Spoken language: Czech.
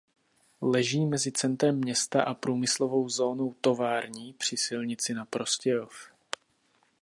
Leží mezi centrem města a průmyslovou zónou Tovární při silnici na Prostějov.